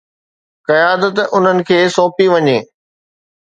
قيادت انهن کي سونپي وڃي